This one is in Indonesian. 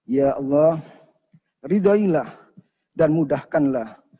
ya allah ridhoilah dan mudahkanlah